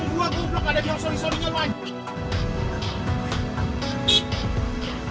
buat gua goblok ada bilang sorry sorrynya lu anj